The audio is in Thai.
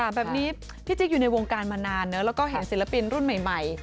แบบนี้พี่จิ๊กอยู่ในวงการมานานเนอะแล้วก็เห็นศิลปินรุ่นใหม่